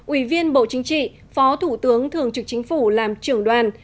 ủy viên bộ chính trị phó thủ tướng thường trực chính phủ làm trưởng đoàn